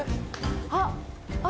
あっ！